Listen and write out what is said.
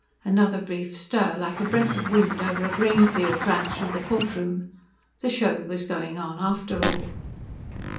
Another brief stir, like a breath of wind over a grain field, ran through the courtroom. The show was going on after all.